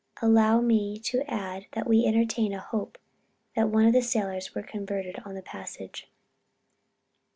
allow me to add that we entertain a hope that one of the sailors was converted on the passage.